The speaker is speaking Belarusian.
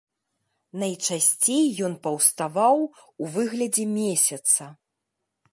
Найчасцей ён паўставаў у выглядзе месяца.